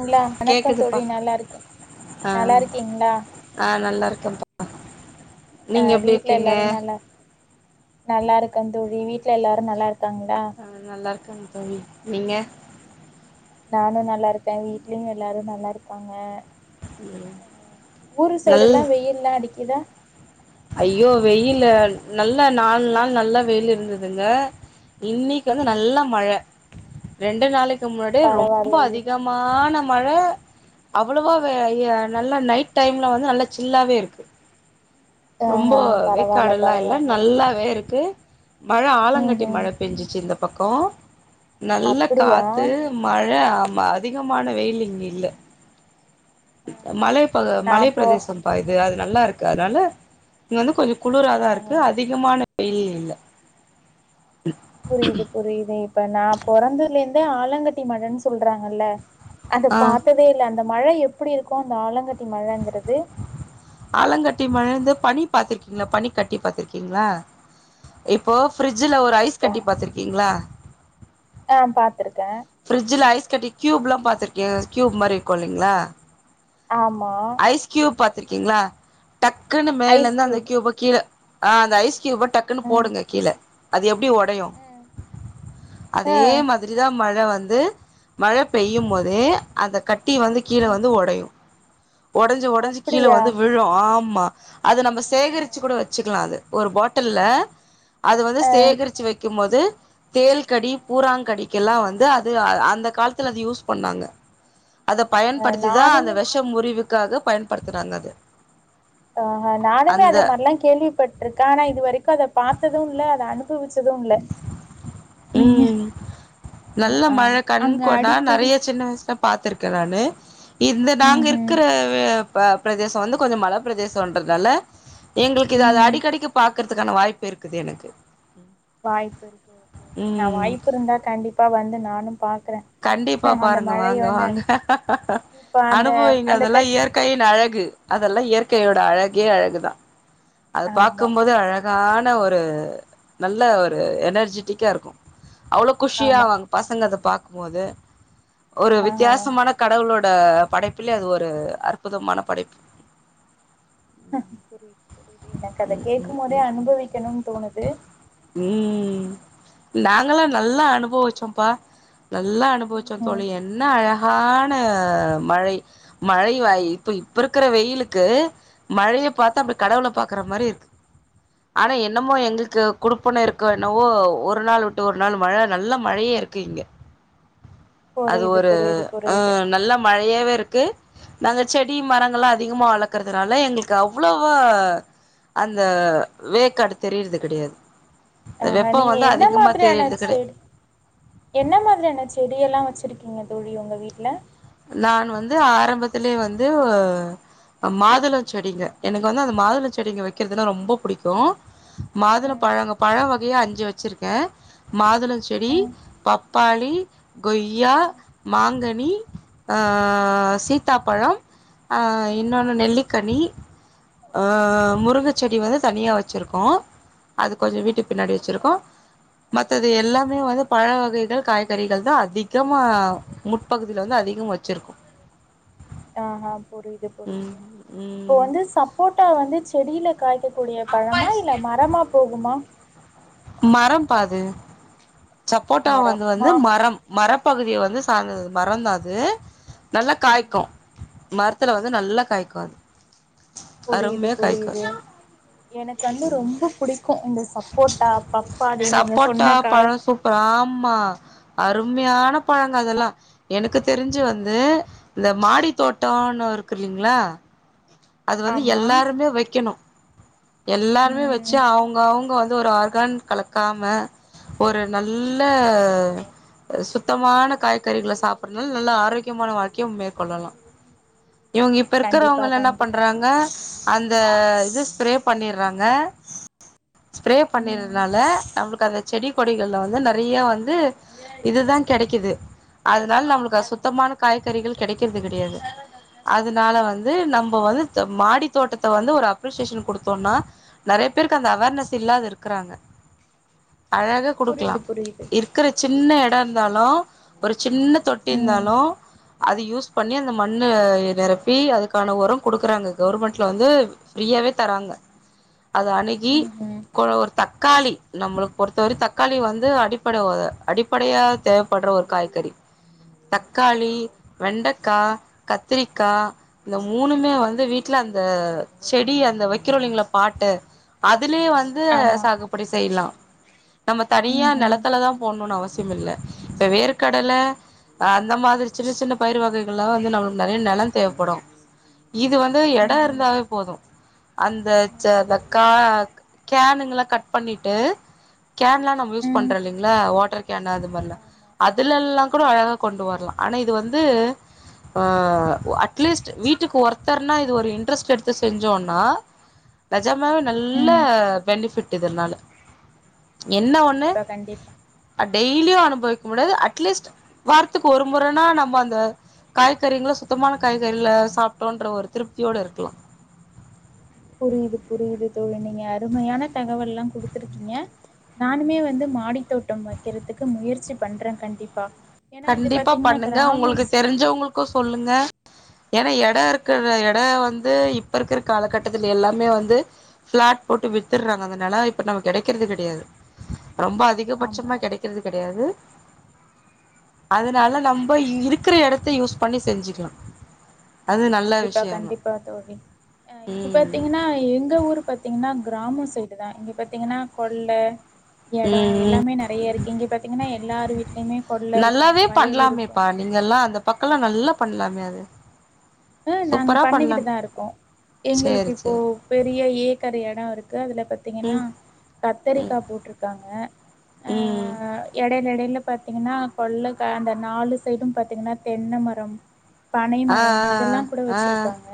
ங்ளா வணக்கொ கேக்குதுப்பா தோழி நல்லா இருக் ஆ நல்லா இருக்கீங்ளா ஆ நல்லா இருக்கேப்பா அ நீங்க எப்டி வீட்ல இருக்கீங்க எல்லாரு நல்லா நல்லா இருக்கந் தோழி வீட்ல எல்லாரு நல்லா இருக்காங்ளா ஆ நல்லா இருக்கந் தோழி நீங்க நானு நல்லா இருக வீட்லயு எல்லாரு நல்லா இருக்காங்க ஊரு நல் சைடுல்லா வெயில்லா அடிக்கிதா ஐயோ வெயிலு நல்லா நால் நாள் நல்லா வெயில் இருந்துதுங்க இன்னைக்கி வந்து ம் நல்லா மழ ரெண்டு நாளைக்கி முன்னாடியே ரொம்ப பரவாயில்லயே அதிக மான மழ அவளவா வ ய நல்லா நைட் டைம்ல வந்து நல்லா சில்லாவே இருக்கு ரொம்போ ஆஹா பரவால்ல வேக்காடுல்லா இல்ல பரவால்ல நல்லாவே இருக்கு மழ ம் ஆலங்கட்டி ம் மழ பெஞ்சுச்சு இந்த பக்கோ நல்ல அப்படியா காத்து மழ ஆமா அதிகமான வெயில் இங்க இல்ல ஆஹா மலைப்ப நா மலை போ பிரதேசம்ப்பா இது அது நல்லா இருக்கு அதனால இங்க வந்து கொஞ்சொ குளுராதா இருக்கு ஆஹா அதிகமான வெயில் இல்ல புரியுது புரியுது இப்ப நா பொறந்தலேந்தே ஆலங்கட்டி மழன் சொல்றாங்கல்ல அத ஆ பாத்ததே இல்ல அந்த மழ எப்டி இருக்கு அந்த ஆலங்கட்டி மழங்குறது ஆலங்கட்டி மழ இந்து பனி பாத்துருக்கீங்ளா பனிக்கட்டி பாத்துருக்கீங்ளா இப்போ ஃப்ரிட்ஜுல ஒரு ஐஸ் கட்டி பாத்துருக்கீங்ளா ஆ பாத்துருக்க பிரிட்ஜுல ஐஸ் கட்டி கியூபுலா பாத்துருக்கியா கியூப் மாரி இருக்கு இல்லைங்ளா ஆமா ஐஸ் க்யூப் பாத்துருக்கீங்ளா டக்குன்னு ஐஸ் மேலந்து அந்த கியூப் க்யூப கீழ ஆ அந்த ஐஸ் க்யூப டக்குனு ம் போடுங்க கீழ அது எப்டி ஓ டயு ம் ஆ அதே மாதிரிதா மழ வந்து மழ பெய்யும் போதே அந்த கட்டி வந்து கீழ வந்து ஒடையு ஒடஞ்சி ஒடஞ்சி கீழ அப்டியா வந்து விழு ஆமா அது நம்ம ஆ சேகரிச்சு கூட வச்சுக்லா அத ஒரு பாட்டில்ல அது வந்து சேகரிச்சு வெக்கும் போது தேள்கடி பூராங்கடிக்குலா அது அந்த கால்த்துல அது யூஸ் பண்ணாங்க அத பயன்படுத்திதா அந்த நானுமே வெஷம் முறிவ் இதுக்காக பயன்படுத்துறாங்க அது அந்த நா கேள்விப்பட்ருக்க ஆனா இது வரைக்கு அத பாத்தது இல்ல அத அனுபவிச்சது இல்ல நீங்க ம் ஆ நல்ல ஆ மழ அங்க கண்கோனா அடிக்கடி நெறைய சின்ன வய்ஸ்ல பாத்திருக்க நானு இந்த நாங்க ம் ம் இருக்குற வெ ப பிரதேசோ வந்து கொஞ்சோ மல பிரதேசோன்றதுனால எங்களுக்கு இது அது ம் அடிகடிக்க பாக்குறதுகான வாய்ப்பு இருக்குது எனக்கு வாய்ப்பு இருக்கு ஓகே ஓகே நா ம் வாய்ப்பு இருந்தா கண்டிப்பா வந்து நானு பாக்குற கண்டிப்பா பாருங்க வாங்க வாங்க இப்ப அந்த அனுபவீங்க அந்த அதெல்லா கட் இயற் கையின் அழகு அதெல்லா இயற்கையோட அழகே அழகுதா அத ஆமா பார்க்கும்போது அழ கான ஒரு நல்ல ஒரு எனர்ஜிட்டிக்கா இருக்கு அவுளோ ஆமா குஷியாவாங் பசங்க அத பாக்குமோது ஒரு ஆ வித்தியாசமான கடவுளோட படைப்புலே அது ஒரு அற்புதமான படைப்பு புரிது புரிது எனக்கு அத ம் ம் கேக்குமோதே ம் அனுபவிக்கணுன் தோணுது ம் நாங்களா நல்லா அனுபவச்சோம்பா நல்லா அனுபவச்சோ ம் தோழி என்ன அழ கான மழை மழை வாய் இப்ப இப்ப இருக்குற வெயிலுக்கு மழைய பாத்தா அப்புடி கடவுள பாக்குற மாரி இருக்கு [unintelligible] ஆனா என்னமோ எங்கள்க்கு குடுப்பன இருக்கோ என்னவோ ஒரு நாள் விட்டு ஒரு நாள் மழ நல்ல மழையு இருக்கு இங்க அது புரியுது ஒரு புரியுது அ புரியுது நல்ல மழையாவே இருக்கு நாங்க செடி மரங்கள்லா அதிகமா வளர்க்கறதுனால எங்களுக்கு அவுளோ வா அந்த வேக்காடு தெரிறது கெடையாது ஆ வெப்போ நீங்க வந்து என்ன அதிகமா மாதிரியான தெரியறது கெடை செடி என்ன மாதிரியான செடியெல்லா வச்சிருக்கீங்க தோழி உங்க வீட்ல நான் வந்து ஆரம்பத்திலே வந்து ஒ மாதுளோ செடிங்க எனக்கு வந்து அந்த மாதுள செடிங்க வைக்கிறதுனா ரொம்ப புடிக்கு மாதுளம் ம் பழங்க பழ வகையா அஞ்சு வச்சிருக்க மாதுளொ செடி ம் பப்பாளி கொய்யா மாங்கனி ஆ சீத்தாப்பழம் ஆ ம் இன்னொன்னு நெல்லிக்கனி ஆ ம் முருங்க செடி வந்து தனியா வச்சிருக்கோ அது கொஞ்சோ வீட்டுக் பின்னாடி வச்சிருக்கோ மத்தது எல்லாமே வந்து பழ வகைகள் காய்கறிகள்தா அதிகமா முட்பகு இதுல வந்து அதிகம் வச்சிருக்கு ஆ புரிது ம் புரிது இப்போ ம் வந்து சப்போட்டா வந்து செடில காய்க்க கூடிய பழமா இல்ல மரமா போகுமா மரம்பா அது சப்போட்டா வந்து வந்து மரமா மரம் மரப்பகுதிய வந்து சார்ந்ததே மரந்தா அது நல்லா காய்க்கு ம்ஹ்ம். மரத்துல வந்து நல்லா காய்க்கு அது புரியுது அருமையா காய்க்கு புரியுது. எனக்கு வந்து ரொம்ப புடிக்கு இந்த சப்போட்டா பப்பாளி நீங்க சப்போட்டா சொன்னக்கா பழோ சூப்பர் ஆமா அருமையான பழங்க அதெல்லா எனக்கு தெரிஞ்சு வந்து இந்த மாடி தோட்டோனு இருக்கு இல்லிங்ளா அது வந்து ஆமா. எல்லாருமே வைக்கணு எல்லாருமே ம். வச்சு அவுங்க அவ்ங் வந்து ஒரு ஆர்கான் கலக்காம ஒரு நல்ல அ சுத்தமான காய்கறிகள சாப்புற்துனால் நல்லா ஆரோக்கியமான வாழ்க்கியு மேற்கொள்ளலா இவுங்க இப்ப கண்டிப்பா இருக்கிறவ்ங்களா என்ன கண்டிப்பா. பண்றாங்க அந்த இது ஸ்ப்ரே பண்ணிற்றாங்க ஸ்ப்ரே ம். பண்ணிருதுனால நம்ளுக்கு அந்த செடி கொடிகள்ல வந்து நெறையா வந்து இதுதான் கெடைக்குது அதுனால் நம்ளுக் அது சுத்தமான காய்கறிகள் கெடைக்கற்து கெடையாது அதனால வந்து நம்ம வந்து து மாடி தோட்டத்த வந்து ஒரு அப்ரிசியேஷன் குடுத்தோம்னா நறைய பேர்க்கு அந்த அவர்னஸ் இல்லாதுருக்கிறாங்க அழகா குடுக்கலா புரியுது புரியுது. இருக்குற சின்ன எடோ இருந்தாலு ஒரு சின்ன தொட்டி ம். இருந்தாலு அது யூஸ் பண்ணி அந்த மண்ணு நிரப்பி அதுக்கான உரம் குடுக்குறாங்க கவர்மெண்ட்ல வந்து ஃப்ரீயாவே தராங்க அத அணுகி ம் ஒரு தக்காளி நம்மளுக்கு பொறுத்தவர தக்காளி வந்து அடிப்பட ஒ அ அப்படையா தேவைப்படுற ஒரு காய்கறி தக்காளி வெண்டக்கா கத்திரிக்கா இந்த மூணுமே வந்து வீட்ல அந்த செடி அந்த வைக்கிறோலிங்கலா பாட்டு அதுலயு வந்து ஆமா. சாகுபடி செய்யலா நம்ம தனியா ம்ஹ்ம். நெலத்துல தா போடணுனு அவசியம் மில்ல இப்ப வேர்கடல ம்ஹ்ம். அந்த மாதிரி சின்ன சின்ன பயிர் வகைகள்லா வந்து நம்மளுக்கு நறைய நிலம் தேவைப்படு இது வந்து எடொ ம்ஹ்ம். இருந்தாவே போது அந்த ச ம்ஹ்ம். அ கா கேனுங்கல்ல கட் பண்ணிட்டு கேரளால்ல நம்ம யூஸ் ம். பண்றோ இல்லைங்களா வாட்டர் கேன் அது மாதிரிலா ஆமா அதுல ஆமா. எல்லா கூட அழகா கொண்டு வரலா ஆனா இது வந்து அ அட்லீஸ்ட் வீட்டுக்கு ஒருத்தர்னா இது ஒரு இன்ட்ரெஸ்ட் எடுத்து செஞ்சோனா நெஜமாவே நல்ல ம். பெனிஃபிட் இதனால என்ன ஒன்னு கண்டிப்பா கண்டிப்பா. டெய்லியு அனுபவிக்க முடியாது அட்லீஸ்ட் வாரத்துக்கு ஒரு முறன்னா நம்ம அந்த காய்கறிங்கள சுத்தமான காய்கறிகல சாப்ட்டோன்ற ஒரு திருப்தியோடருக்கலா புரிது புரிது தோழி நீங்க அருமையான தகவல்லா குடுத்துருக்கீங்க நானுமே வந்து மாடி தோட்டம் வெக்கெறதுக்கு முயற்சி பண்றென் கண்டிப்பா ஏன்னா இது கண்டிப்பா பாத்தீங்கன்னா பண்ணுங்க கிராம உங்களுக்கு ஸ் தெரிஞ்சவங்களுக்கு சொல்லுங்க ஏன்னா எடொ இருக்கிற எட வந்து இப்பருக்குற காலகட்டத்துல எல்லாமே வந்து பிளாட் போட்டு வித்துர்றாங்க அதனால இப்ப நமக்கு கெடக்கிறது கெடையாது ரொம்ப அதிக ஆமா அதிகபட்சமா ஆமா கெடக்கிறது கெடையாது அதனால நம்ப இருக்கிற எடத்த யூஸ் பண்ணி செஞ்சுக்கலா அது நல்ல கண்டிப்பா விஷயந்தா கண்டிப்பா தோழி ஆ இது ம் பாத்தீங்கன்னா எங்க ஊரு பாத்தீங்கன்னா கிராமோ சைடுதா இங்க பாத்தீங்கன்னா கொல்ல எடோ ம் ம் எல்லாமே நறைய இருக்கு இங்க பாத்தீங்கன்னா எல்லாரு வீட்லயுமே கொல்ல இருக்கோ நல்லாவே வயல் இருக்கோ பண்ணலாமேப்பா நீங்கல்லா அந்த பக்கோல்லா நல்லா பண்லாமே அது ம் நாங்க சூப்பரா பண்ணிக்கிட்டு பண்ணலாம் தா இருக்கோ எங்குளுக்கு சேரி இப்போ சேரி பெரிய ஏக்கர் எடோ இருக்கு அதுல பாத்தீங்கன்னா ம் ம் கத்தரிக்கா போட்ருக்காங்க அ ம் எடையிலடையில பாத்தீங்கன்னா கொல்ல கா அந்த நாலு சைடு பாத்தீங்கன்னா தென்ன மரம் பனை மரம் இதெல்லா கூட வெச்சிருக்காங்க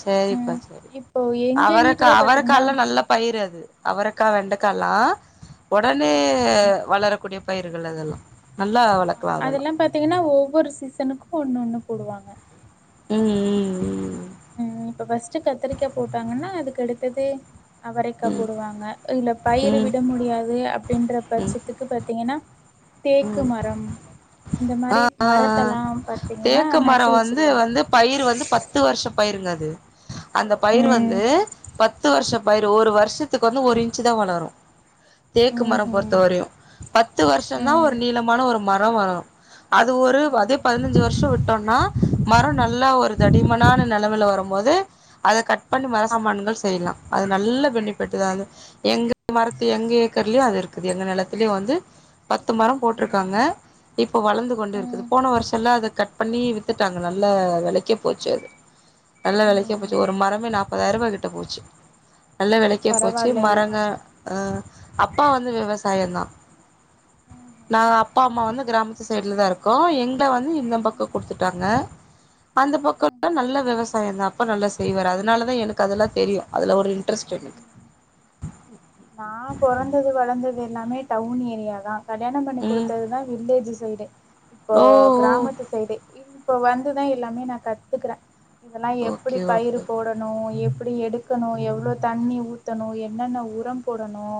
சரிப்பா சரி அவரக்கா வீட்லயே பாத்தீங்கன்னா அவரக்காலா நல்ல பயிரு அது அவரக்கா வெண்டக்காலா ஒடனே வளரக்கூடிய பயிர்கள் அதெல்லா நல்லா வ ஆமா அதெல்லா பாத்தீங்கன்னா ஒவ்வோரு சீசனுக்கோ ஒண்ணு ஒண்ணு போடுவாங்க ம் ம் ம் ம் இப்ப ஃபஸ்ட்டு கத்திரிக்கா போட்டாங்கன்னா அதுக்கடுத்தது அவரைக்கா ம் போடுவாங்க இல்ல பயிரு ம் விட முடியாது அப்டின்ற ம் ம் பட்சத்துக்கு பாத்தீங்கன்னா தேக்கு ம் மரம் இந்த ஆ மாரி ஆ மரத்தெல்லா பாத்தீங்கன்னா தேக்கு நட்டு மரம் வந்து வச்சிருவாங்க வந்து பயிரு வந்து பத் பத்து வர்ஷ பயிருங்கது அந்த பயிரு வந்து ம் பத்து வர்ஷப் பயிறு ஒரு வர்ஷத்துக்கு வந்து ஒரு இன்ச்சுதா வளரோ தேக்கு மரோ ம்ஹும் பொறுத்த வரையு பத்து வர்ஷோதா ஒரு ம் நீளமான ஒரு மரோ வளரோ அது ஒரு அதே ம் பதினஞ்சு வர்ஷோ விட்டோனா மரோ நல்லா ஒரு தடிமனான நெலமைல வரும்போது அத கட் பண்ணி மர சாமான்கள் செய்லா அது நல்ல பெனிஃபிட்டு தா அது எங்க மரத்து எங்க ஏக்கர்லயு அது இருக்குது எங்க நெலத்துலயு வந்து பத்து மரோ ம் போட்ருக்காங்க இப்போ வளந்து கொண்டு இருக்குது ம் போன வர்ஷோ எல்லா அத கட் பண்ணி வித்துட்டாங்க நல்லா வெலைக்கு போச்சு அது நல்ல வெலைக்கே போச்சு ம்ஹும் ஒரு மரமே நாப்பதாயிரபா கிட்ட போச்சு நல்ல வெலைக்கே போச்சு பரவால்லயே மரங்க அப்பா வந்து விவசாயோந்தா ம் நா அப்பா அம்மா வந்து கிராமத்து ஸைட்ல தா இருக்கோ எங்கல வந்து இந்த பக்கோ குடுத்துட்டாங்க அந்த பக்கோல்லா ம்ஹும் நல்ல விவசாயோந் தா அப்பா நல்லா செய்வாரு அதனாலதா எனக்கு அதெல்லா தெரியு அதுல ஒரு இன்ட்ரெஸ்ட்டு எனக்கு நா பொறந்தது வளந்தது எல்லாமே டவுன் ஏரியா தா கல்யாணம் பண்ணி ம் குடுத்ததுதா வில்லேஜ்ஜு சைடு இப்போ ஓ ஓ கிராமத்து சைடு இப்ப வந்துதா எல்லாமே நா கத்துக்குற இதலா எப்புடி ஓகே பயிர் ஓகே போட னோ எப்டி எடுக்கணோ எவ்ளோ தண்ணி ஊத்தணோ என்னென்ன உரம் போடணோ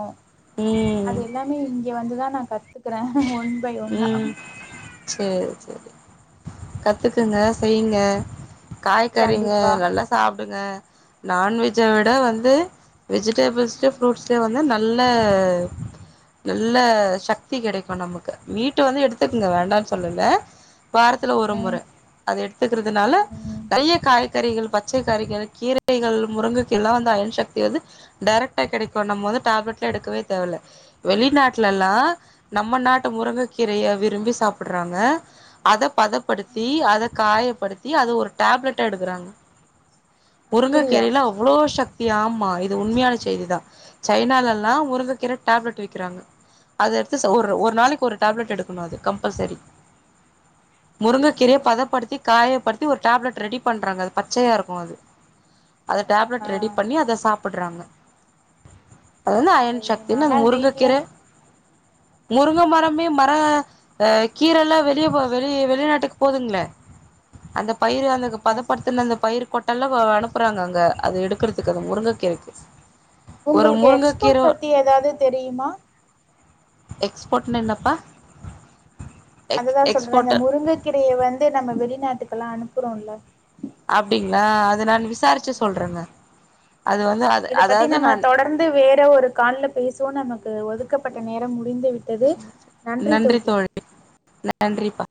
உம் அது எல்லாமே இங்கே வந்துதா நா கத்துக்குற ஒன் பை ஒன்னா சேர் சேரி கத்துக்குங்க செய்ங்க காய்கறிங்க கண்டிப்பா நல்லா சாப்டுங்க நான்வெஜ்ஜ விட வந்து வெஜிடேபிள்ஸ்லயு ஃப்ரூடஸ்லயு வந்து ந ல்ல நல்ல சக்தி கெடைக்கோ நமக்கு மீட்டு வந்து எடுத்துக்குங்க வேண்டானு சொல்லல வாரத்துல ஒரு முற ம் அத எடுத்துக்குறதுனால ம் நறைய காய்கறிகள் பாத் பச்சை கறிகள் கீரைகள் முருங்கக்கீரலா வந்து அயர்ன் சக்தி வந்து டேரக்டா கெடைக்கோ நம்மோ வந்து டேப்லெட்லா எடுக்கவே தேவல்ல வெளிநாட்லலா நம்ம நாட்டு முருங்க கீரைய விரும்பி சாப்புட்றாங்க அத பதப்படுத்தி அத காயப்படுத்தி அது ஒரு டேப்லெட்டா எடுக்கறாங்க அப்டியா முருங்கக்கீரைல அவ்ளோ சக்தி ஆமா இது உண்மையான செய்தி தா சைனாலல்லா முருங்கக்கீர டேப்லெட் விக்கிறாங்க அது எடுத்து ஒரு ம் ஒரு ம் நாளைக் ஒரு டேப்லெட் எடுக்கணு அது கம்பல்சரி ம் முருங்கக்கீரைய ம் பதப்படுத்தி காயப்படுத்தி ஒரு டேப்லெட் ரெடி பண்றாங்க அது பச்சையா இருக்கு அது [inaudible] அத டேப்லெட் ரெடி பண்ணி அத சாப்பட்றாங்க அது வந்து அயன் பரவாயில்லயே சக்தி அது நாலா வீட்ல முருங்கக்கீர முருங்க மரம் மே மர அ கீரல்லா வெளிய போ வெளி வெளிநாட்டுக்கு போதுங்ளே அந்த பயிறு அந்தக ஆ பதப்படுத்துன அந்த பயிறு கொட்டல்லா ஒ அனுப்புறாங்க அங்க அது எடுக்கறதுக் த்துகனு முருங்கக்கீரைக்கு ஒரு உங்களுக்கு முருங்கக்கீர எக்ஸ்போர்ட் பத்தி ஏதாவது தெரியுமா எக்ஸ்போர்ட்னா என்னப்பா எக் அதுதா சொல்ற அந்த எக்ஸ்போர்ட்டர் முருங்கக்கீரைய வந்து நம்ம வெளிநாட்டுக்கல்லா அனுப்புறோல்ல அப்டீங்ளா அது நா விசாரிச்சு சொல்றேங்க அது வந்து அது அதாவது நான் வந்து வேற ஒரு கால்ல பேசுவோ நமக்கு ஒதுக்கப்பட்ட நேரம் முடிந்து விட் நன்றி தோழி நன்றிப்பா